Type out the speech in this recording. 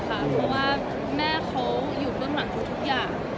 เพราะว่าแม่เขาอยู่เบื้องหลังทุกอย่าง